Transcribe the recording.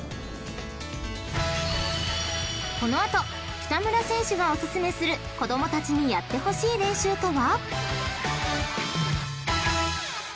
［北村選手がおすすめする子供たちにやってほしい練習とは？］